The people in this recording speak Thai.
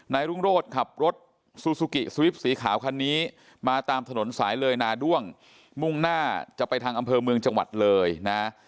รุ่งโรธขับรถซูซูกิสวิปสีขาวคันนี้มาตามถนนสายเลยนาด้วงมุ่งหน้าจะไปทางอำเภอเมืองจังหวัดเลยนะ